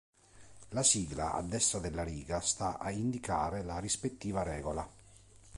La sigla a destra della riga sta a indicare la rispettiva regola.